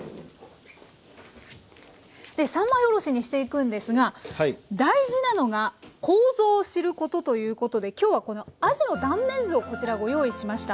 三枚おろしにしていくんですが大事なのが構造を知ることということで今日はこのあじの断面図をこちらご用意しました。